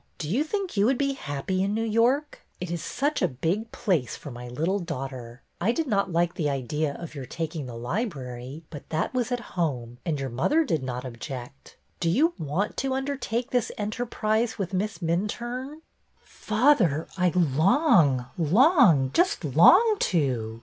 Do you think you would be happy in New York? It is such a big place for my little daughter. I did not like the idea of your taking the library, but that was at home, and your mother did not object. Do you want to undertake this enterprise with Miss Minturne? "'' Father, I long, long, just long to.